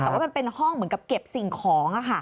แต่ว่ามันเป็นห้องเหมือนกับเก็บสิ่งของ